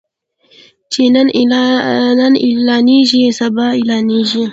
چې نن اعلانيږي سبا اعلانيږي.